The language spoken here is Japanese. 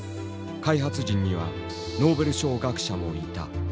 開発陣にはノーベル賞学者もいた。